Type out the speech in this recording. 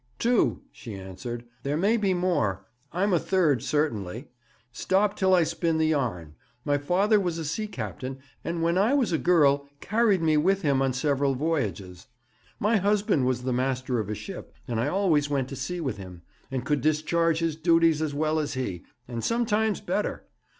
'Two,' she answered; 'there may be more. I'm a third, certainly. Stop till I spin the yarn. My father was a sea captain, and when I was a girl carried me with him on several voyages. My husband was the master of a ship, and I always went to sea with him, and could discharge his duties as well as he, and sometimes better.